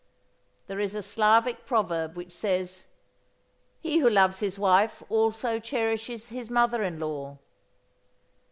There is a Slavic proverb which says: "He who loves his wife also cherishes his mother in law."